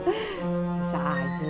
bukan om herman